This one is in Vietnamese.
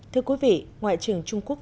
thưa quý vị ngoại trưởng trung quốc